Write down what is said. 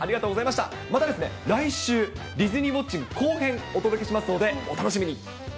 またですね、来週、ディズニーウォッチング後編お届けしますので、お楽しみに。